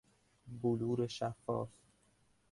بلور شفاف